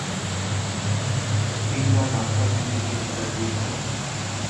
সিংড়ার রাস্তা কোন দিকে সেটা বের করো।